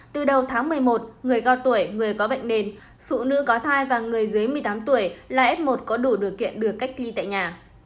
từ đầu tháng một mươi một người cao tuổi người có bệnh nền phụ nữ có thai và người dưới một mươi tám tuổi là f một có đủ điều kiện được cách ly tại nhà